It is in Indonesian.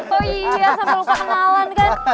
oh iya sampe lupa kenalan kan